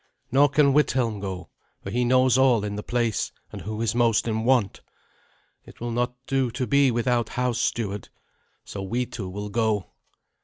Nor can Withelm go, for he knows all in the place, and who is most in want. It will not do to be without house steward. So we two will go.